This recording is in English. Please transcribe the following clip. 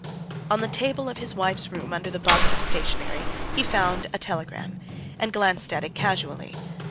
On the table of his wife's room under the box of stationery he found a telegram, and glanced at it casually.